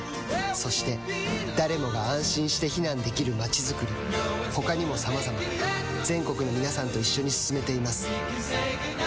そして誰もが安心して避難できる街づくり他にもさまざま全国の皆さんと一緒に進めています